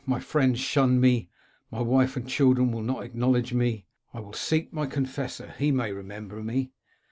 * My friends shun me ; my wife and children will not acknowledge me. I will seek my confessor. He may remember me.'